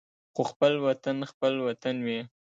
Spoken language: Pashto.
خو خپل وطن خپل وطن وي.